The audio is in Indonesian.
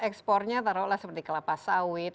ekspornya taruhlah seperti kelapa sawit